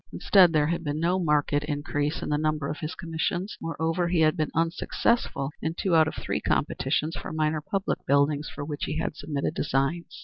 Instead there had been no marked increase in the number of his commissions; moreover he had been unsuccessful in two out of three competitions for minor public buildings for which he had submitted designs.